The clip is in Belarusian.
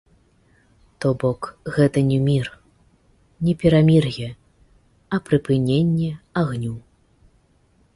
То бок, гэта не мір, не перамір'е, а прыпыненне агню.